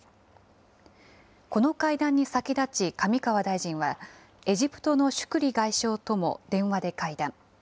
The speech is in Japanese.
この会談に先立ち、上川大臣は、エジプトのシュクリ外相とも電話で会談。